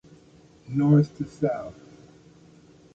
"North to South"